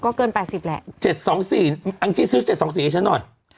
ก็เกินแปดสิบแหละเจ็ดสองสี่อังจริงซื้อเจ็ดสองสี่ให้ฉันหน่อย